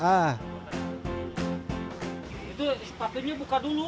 itu sepatunya buka dulu